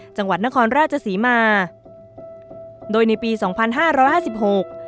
จังหวัดนครราชศรีมาโดยในปีสองพันห้าร้อยห้าสิบหก